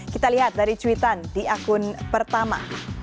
kita lihat dari cuitan di akun pertama